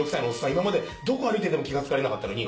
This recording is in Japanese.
今までどこ歩いてても気が付かれなかったのに。